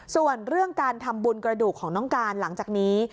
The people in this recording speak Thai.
ส่วนเรื่องการทำบุญกระดูกของน้องการหลังจากนี้